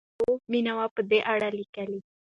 عبدالرؤف بېنوا په دې اړه لیکي.